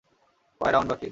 কয় রাউন্ড বাকি?